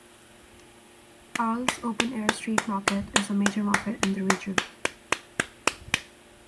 Arles's open-air street market is a major market in the region.